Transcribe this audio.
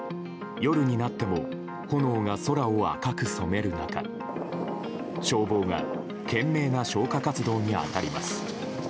夜になっても炎が空を赤く染める中消防が懸命な消火活動に当たります。